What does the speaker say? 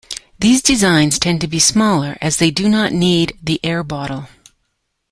These designs tend to be smaller as they do not need the air bottle.